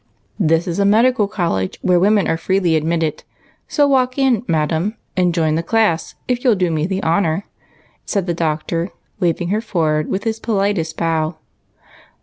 "This is a medical college where women are freely admitted, so walk in, madam, and join .the class if you'll do me the honor," said the Doctor, waving her forward with his politest bow.